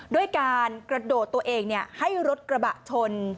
ด้วยการกระโดดตัวเองให้รถกระบะชน